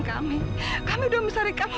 kami kami udah mencari kami